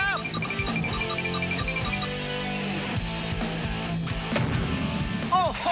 เริ่มครับเริ่ม